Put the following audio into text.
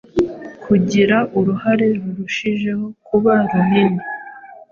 kugira uruhare rurushijeho kuba runini: